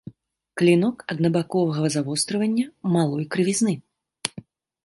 Клінок аднабаковага завострывання, малой крывізны.